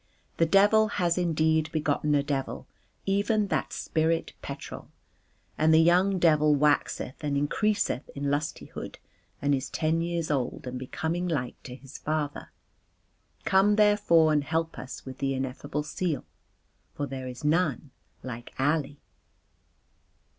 The devil has indeed begotten a devil, even that spirit Petrol. And the young devil waxeth, and increaseth in lustihood and is ten years old and becoming like to his father. Come therefore and help us with the ineffable seal. For there is none like Ali."